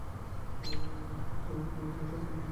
সম্ভবত সে কারণেই কেউ তোমার বই প্রকাশ করতে চায় না।